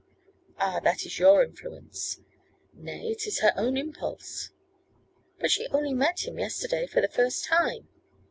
'Ah, that is your influence.' 'Nay, it is her own impulse.' 'But she only met him yesterday for the first time.